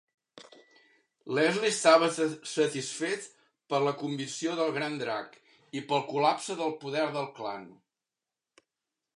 Leslie estava satisfet per la convicció del Gran Drac i pel col·lapse del poder del Klan.